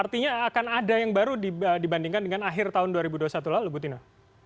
artinya akan ada yang baru dibandingkan dengan akhir tahun dua ribu dua puluh satu lalu bu tino